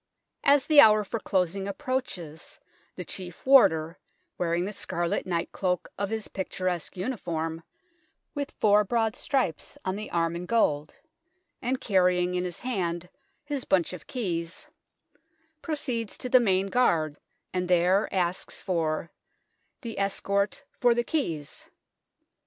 As ENTRANCE TOWERS 145 the hour for closing approaches, the Chief Warder, wearing the scarlet night cloak of his picturesque uniform, with four broad stripes on the arm hi gold, and carrying in his hand his bunch of keys, proceeds to the Main Guard, and there asks for " The escort for the keys."